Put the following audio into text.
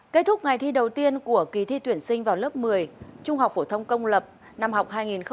kết thúc ngày thi đầu tiên của kỳ thi tuyển sinh vào lớp một mươi trung học phổ thông công lập năm học hai nghìn hai mươi hai nghìn hai mươi